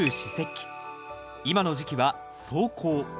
今の時期は霜降。